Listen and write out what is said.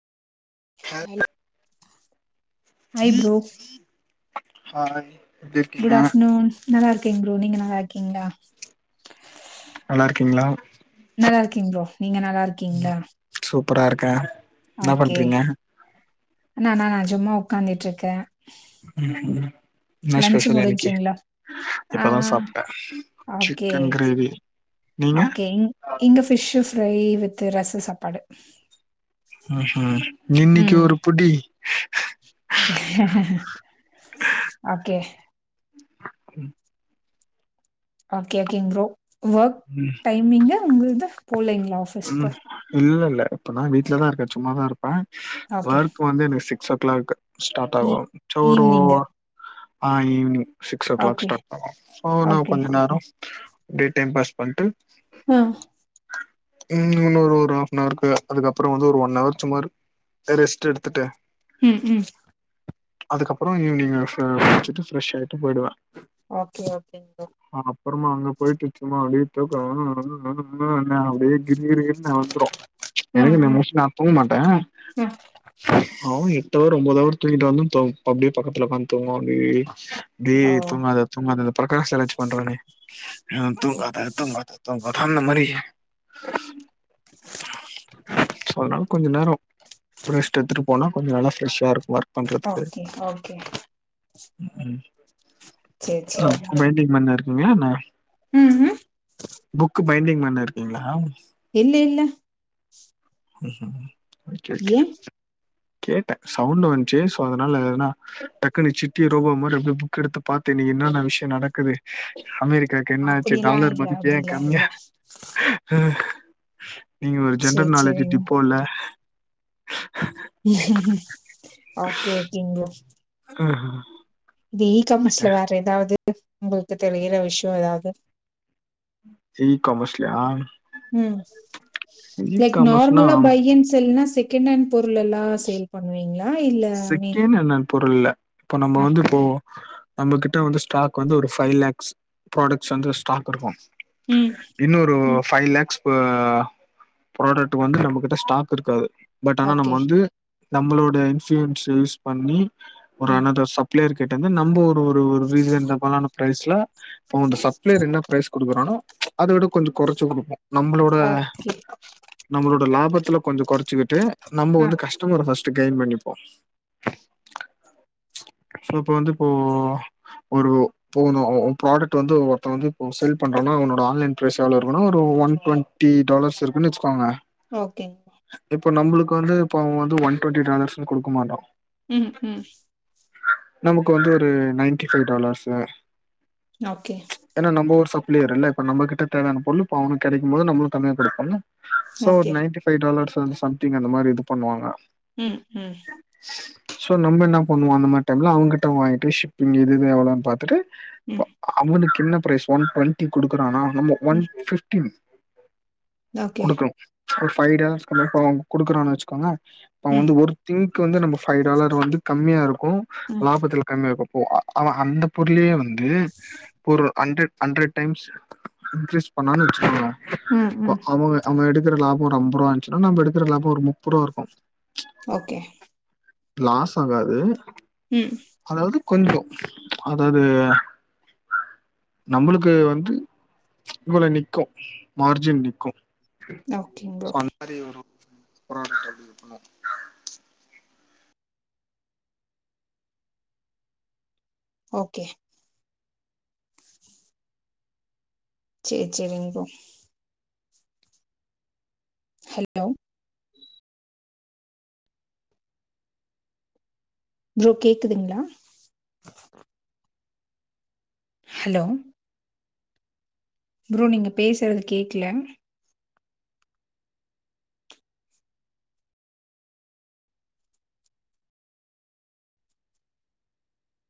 hi bro hi எப்டி இருக்கீங்க good afternoon நல்லா இருக்கேங் ப்ரோ நீங்க நல்லா இருக்கீங்களா நல்லா இருக்கீங்களா நல்லா இருக்கேங் ப்ரோ நீங்க நல்லா இருக்கீங்களா சூப்பரா இருக்கே என்ன பண்றீங்க நானா சும்மா உட்காந்துட்டு இருக்கே ம் ம் என்ன லன்ச் ஸ்பெஷல் இன்னைக்கி முடிஞ்சுங்களா ஆ இப்பதா சாப்ட்டே சிக்கன் கிரேவி நீங்க ஓகேங் இங்க பிஷ் ஃப்ரை வித் ரச சாப்பாடு ஆஹ இன்னைக்கு ம் ஒரு புடி ஓகே ஓகே ஓகேங் ப்ரோ வர் ம் டைமிங்க உங்கள்து போலலைங்களா ம் இல்ல இல்ல இப்பதா வீட்லதா இருக்கே சும்மாதா இருப்பே ஓகே ஒர்க் வந்து எனக்கு சிக்ஸ் ஓ கிளாக் ஸ்டார்ட் ஈ ஆகு சோ ஒரு ஈவ்னிங்கு ஆ evening six o'clock okay start பண்ணோ சோ நா ஓகே கொஞ்ச நேரோ அப்டியே டைம் பாஸ் பண்ட்டு ஆ ம் இன்னொரு ஒரு ஆஃப்னாருக்கு அதுக்கப்ரோ வந்து ஒரு ஒன் ஹவர் சும்ம ரெஸ்ட் எடுத்துட்டு ம் ம் அதுக்கப்ரோ ஈவினிங் குளிச்சுட்டு ஃரெஷ் ஆயிட்டு போயிடுவே ஓகே ஓகேங் ப்ரோ அப்புறமா அங்க போயிட்டு சும்மா அப்டி தூக்கோ வரு [unintelligible] அப்டியே கிர் கிர் கிரினு வந்துரு ம் எனக்கு நா ம் மோஸ்லி நா தூங் மாட்டே ஆ அவ எட்டவர் ஒம்போது அவர் தூங்கிட்டு வந்து து அப்டியே பக்கத்துல ஒக்காந்து தூங்குவா அப்டியே டே ஓ தூங்காத ஆமா அதந்த பிரகாஷ் சேலன்ஜ் பண்றானே ஆ தூங்காத தூங்காத தூங்காத அந்த மாரி அதனால கொஞ்ச நேரோ ரெஸ்ட் எடுத்துட்டு போனா கொஞ்சோ நல்லா ஃப்ரெஷாருக்கு ஒர்க் பண்றதுக்கு ஓகே ஓகே ம் சேரி ஆ சேரி மெய்ன்டெய்ன் பண்ணிருக்கீங்ளா என்ன என்ன ம் ம் புக்கு பைண்டிங் பண்ணு இருக்கீங்ளா எல்ல இல்ல ம் ஓகே ஓகே ஏ கேட்டே சவுண்டு வந்துச்சே சோ அதனால எதனா டக்குனு சிட்டி ரோபா மாரி அப்டியே புக் எடுத்து பாத்தே இன்னைக்கி என்னான விஷயோ நடக்குது அமெரிக்கா கென்னாச்சி அப்டிலா டாலர் இல்ல மதிப்பு ஏ அப்டிலா இல்ல கம்மியா நீங்க ஒரு சேரி ஜென்ரல் நாலேஜி சேரிங்க டிப்போ இல்ல ஓகே ஓகேங்க ஆ இந்த ஈ காமஸ்ல வேற எதாவது உங்களுக்கு தெரியிற விஷயோ எதாவது ஈ காம்ஸ்லயா ம் லைக் காமர்ஸ்னா நார்மலா பை அண் செல்னா செக் கெண்டெண்ட் பொருளெல்லா சேல் பண்ணுவீங்க செக்கெண்ட் ஹேண்டண்ட் பொருள் இல்ல இப்போ நம்ம ஆ வந்து இப்போ நம்ம கிட்ட வந்து ஸ்டாக் வந்து ஒரு ஃபைவ் லேக்ஸ் ப்ராடக்ட்ஸ் வந்து ஸ்டாக் இருக்கு ம் இன்னொரு ஃபைவ் லேக்ஸ் ப ப்ரோடக்ட் வந்து நம்ம கிட்ட ஸ்டாக் இருக்காது பட் ஆனா நம்ம ஓகே வந்து நம்மளோட இன்சூயன்ஸ யூஸ் பண்ணி ஒரு ம் அனதர் சப் பிளேயர் கிட்டந்து நம்ப ஒரு ஒரு ஒரு ரீசன் டபலான பிரைஸ்ல போ அந்த சப்ளையர் என்ன பிரைஸ் குடுக்குறானோ அத விட கொஞ்சோ கொறச்சி குடுப்போ நம்மளோட ஓகே நம்மளோட லாபத்துல கொஞ்சோ கொறச்சிக்கிட்டு நம்ம ஆ வந்து கஷ் டமர ஃபஸ்டு கெய்ன் பண்ணிப் சோ அப்போ வந்து இப்போ ஒரு போனோ ப்ராடக்ட் வந்து ஒருத்த வந்து இப்போ செல் பண்றானா அவனோட ஆன்லைன் பிரைஸ் எவ்வளோ இருக்குனா ஒரு ஒன் டுவண் டி டாலர்ஸ் இருக்குனு வச்சிக்கோங்க ஓகேங் இப்போ நம்பளுக்கு வந்து இப்போ அவ வந்து ஒன் டுவண்ட்டி டாலர்ஸ்னு குடுக்கமாட்டா ம் ம் நமக்கு வந்து ஒரு நைன்டி ஃபைவ் டாலர்ஸு ஓகே ஏனா நம்ம ஒரு சப்ளையருல்ல இப்ப நம்ம கிட்ட தேவையான பொருளு இப்போ அவனுக் கெடைக்கும்போது நம்மளு கம்மியா குடுப்போல்ல சோ ஒரு ஓகே நைன்டி ஃபைவ் டாலர்ஸ் வந்து சம்திங் அந்த மாரி இது பண்ணுவாங்க ம் ம் சோ நம்ம என்னா பண்ணுவோ அந்த மாரி டைம்ல அவங்கிட்ட வாங்கிட்டு ஷிப்பிங் எதிது எவ்வளோன் பாத்துட்டு போ ம் அவனுக் என்ன பிரைஸ் ஒன் டுவெண்டி குடுக்குறானா நம்ம ஒன் ம் ஃபிஃப்டி ஓகே குடுக்கனு ஒரு ஃபைவ் டாலர்ஸ்கு முன்பணோ அவங்க குடுக்குறானு வச்சுக்கோங்களே இப்போ அவ ம் வந்து ஒரு திங்க் வந்து நம்ம ஃபைவ் டாலர் வந்து கம்மியா இருக்கு ம் லாபத்துல கம்மியாருக்கு அவன் அந்த பொருளயே வந்து ஒரு அண்ட்ரட் ஹண்ட்ரட் டைம்ஸ் இன்க்ரீஸ் பண்ணான்னு வச்சுக்காங்க ம் இப்ப ம் அவங்க அவங்க எடுக்கற லாபம் ஒரு அம்பது ரூபா இருந்துச்சுா நம்ம எடுகுற லாபம் முப்பது ருபா இருக்கு ஓகே லாஸ் ஆகாது ம் அதாவது கொஞ்சோ அதாவது நம்மளுக்கு வந்து இவள நிக்கு மார்ஜின் நிக்கு ஓகேங் ப்ரோ சோ அந்த மாரி வரு ஒரு போராட்ட வக்கணு ஓகே சேரி சேரி இங்கே ஹலோ ப்ரோ கேக்குதுங்களா [inaudible] ஹலோ ப்ரோ நீங்க பேசுறது கேக்கல